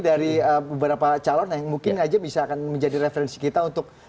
dari beberapa calon yang mungkin aja bisa akan menjadi referensi kita untuk